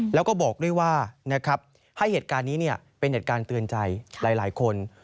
แล้วก็บอกด้วยว่านะครับให้เหตุการณ์นี้เป็นเหตุการณ์เตือนใจหลายคน